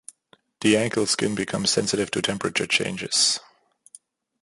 The ankle skin becomes sensitive to temperature changes.